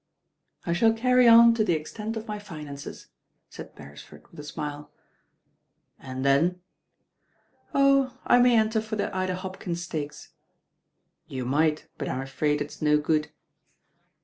"I shall carry on to the extent of my finances." •aid Bcresford with a smile. "And then?" ••Oh : I may enter for the Ida Hopkins stakes." You might, but I'm afraid it's no good.